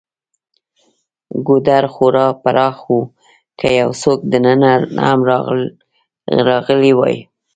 ګودر خورا پراخ و، که یو څوک دننه هم راغلی وای.